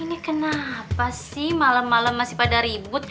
ini kenapa sih malem malem masih pada ribut